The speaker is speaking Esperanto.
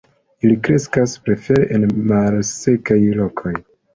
Ili kreskas prefere en malsekaj lokoj.